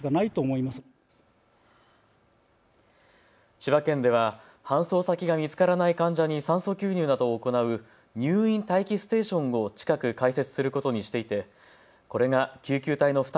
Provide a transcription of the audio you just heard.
千葉県では搬送先が見つからない患者に酸素吸入などを行う入院待機ステーションを近く開設することにしていてこれが救急隊の負担